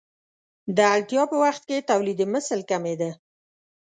د اړتیا په وخت کې تولیدمثل کمېده.